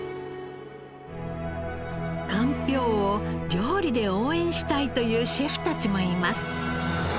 かんぴょうを料理で応援したいというシェフたちもいます。